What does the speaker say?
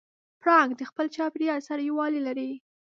پړانګ د خپل چاپېریال سره یووالی لري.